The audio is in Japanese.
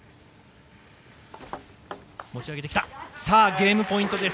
ゲームポイントです。